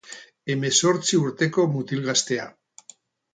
Hemezortzi urteko mutil gaztea.